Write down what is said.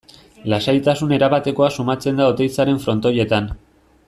Lasaitasun erabatekoa sumatzen da Oteizaren Frontoietan.